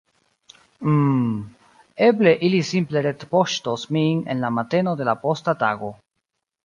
Mmm, eble ili simple retpoŝtos min en la mateno de la posta tago.